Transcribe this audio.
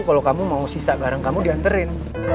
kalau kamu mau sisa garang kamu dihanterin